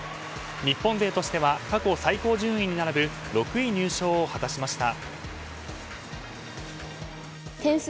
日本勢としては過去最高順位に並ぶ６位入賞を果たしました。